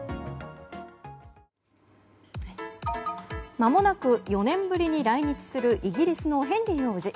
間もなく４年ぶりに来日するイギリスのヘンリー王子。